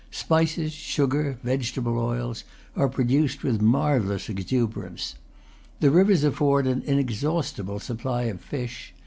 Spices, sugar, vegetable oils, are produced with marvellous exuberance. The rivers afford an inexhaustible supply of fish.